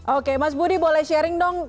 oke mas budi boleh sharing dong